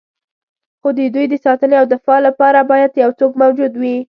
خو د دوی د ساتنې او دفاع لپاره باید یو څوک موجود وي.